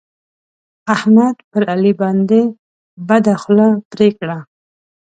احمد پر علي باندې بده خوله پرې کړه.